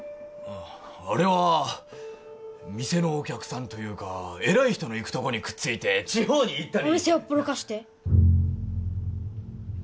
あれは店のお客さんというか偉い人の行くとこにくっついて地方に行ったりお店ほっぽらかして？